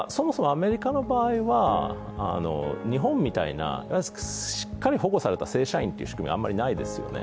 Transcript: アメリカの場合は、日本みたいなしっかり保護された正社員という仕組みはあまりないですよね。